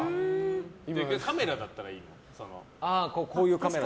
カメラだったらいいの？